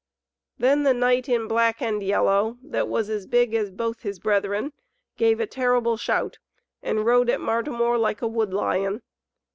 Then the knight in black and yellow, that was as big as both his brethren, gave a terrible shout, and rode at Martimor like a wood lion.